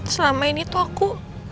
selama ini tuh aku